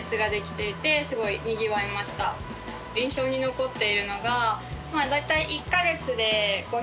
印象に残っているのが。